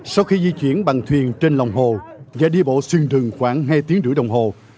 sau khi di chuyển bằng thuyền trên lòng hồ và đi bộ xuyên rừng khoảng hai tiếng rưỡi đồng hồ